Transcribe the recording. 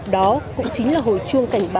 đó cũng chính là hồi chuông cảnh báo